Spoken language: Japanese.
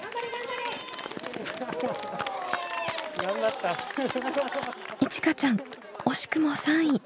いちかちゃん惜しくも３位。